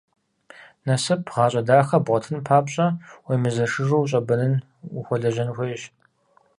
Насып, гъащӏэ дахэ бгъуэтын папщӏэ, уемызэшыжу ущӏэбэнын, ухуэлэжьэн хуейщ.